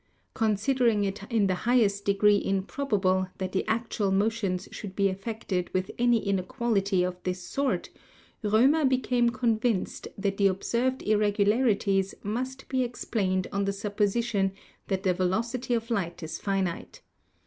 Considering it in the highest degree improbable that the actual motions should be affected with any inequality of this sort, Romer became convinced that the observed irregularities must be explained on the supposition that the velocity of light is finite.